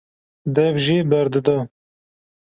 dev jê berdida.